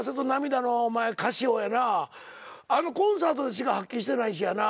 あのコンサートでしか発揮してないしやな。